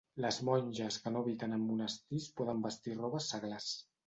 Les monges que no habiten en monestirs poden vestir robes seglars.